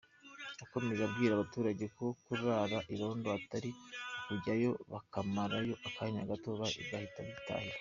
Yakomeje abwira abaturage ko kurara irondo atari ukujyayo bakamarayo akanya gato bagahita bitahira.